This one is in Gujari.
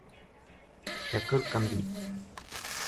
شکر قندی